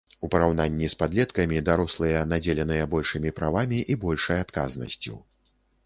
У параўнанні з падлеткамі, дарослыя надзеленыя большымі правамі і большай адказнасцю.